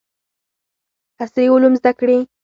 عصري علوم زده کړي.